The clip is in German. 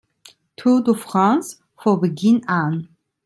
Tour de France von Beginn an.